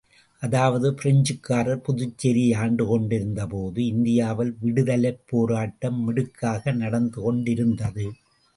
அதாவது பிரெஞ்சுக்காரர் புதுச்சேரியை ஆண்டு கொண்டிருந்த போது, இந்தியாவில் விடுதலைப் போராட்டம் மிடுக்காக நடந்து கொண்டிருந்தது.